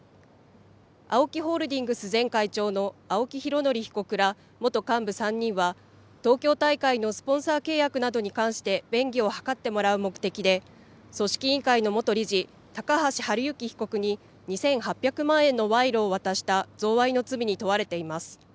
ＡＯＫＩホールディングス前会長の青木拡憲被告ら元幹部３人は東京大会のスポンサー契約などに関して便宜を図ってもらう目的で組織委員会の元理事、高橋治之被告に２８００万円の賄賂を渡した贈賄の罪に問われています。